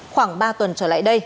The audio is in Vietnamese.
khoảng ba tuần trở lại đây